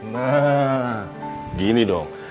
nah gini dong